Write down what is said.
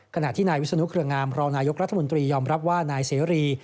ขณะที่นายวิศนุเครืองามรองนายกรัฐมนตรียอมรับว่านายเสรี